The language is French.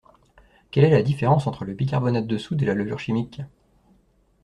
Quelle est la différence entre le bicarbonate de soude et la levure chimique?